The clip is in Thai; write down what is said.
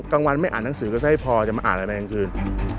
กลางวันไม่อ่านหนังสือก็จะให้พอจะมาอ่านอะไรกลางคืน